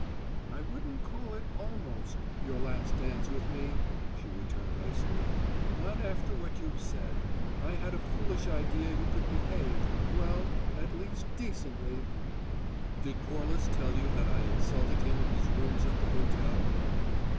"I wouldn't call it `almost' your last dance with me!" she returned icily. "Not after what you've said. I had a foolish idea you could behave well, at least decently." "Did Corliss tell you that I insulted him in his rooms at the hotel?"